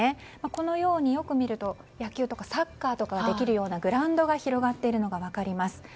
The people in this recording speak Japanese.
このように、よく見ると野球とかサッカーとかができるようなグラウンドが広がっているのが分かります。